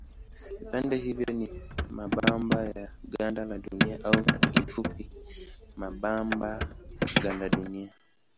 Vipande hivyo ni mabamba ya ganda la Dunia au kwa kifupi mabamba gandunia.